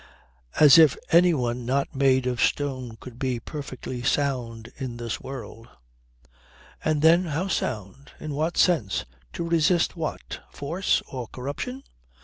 As if anyone not made of stone could be perfectly sound in this world. And then how sound? In what sense to resist what? Force or corruption?